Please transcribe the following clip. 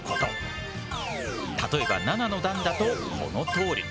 例えば７の段だとこのとおり。